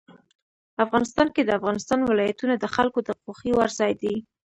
افغانستان کې د افغانستان ولايتونه د خلکو د خوښې وړ ځای دی.